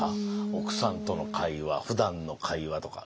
奥さんとの会話ふだんの会話とか。